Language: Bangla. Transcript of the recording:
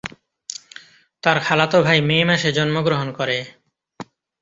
তার খালাতো ভাই মে মাসে জন্মগ্রহণ করে।